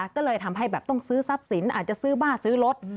ก็เลยทำให้แบบต้องซื้อทรัพย์สินอาจจะซื้อบ้านซื้อรถ